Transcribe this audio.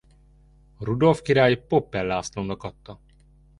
Rudolf király Poppel Lászlónak adta.